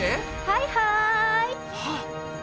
はいはい！